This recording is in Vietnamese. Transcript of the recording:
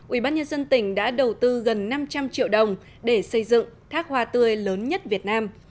ubnd tỉnh đã đầu tư gần năm trăm linh triệu đồng để xây dựng thác hoa tươi lớn nhất việt nam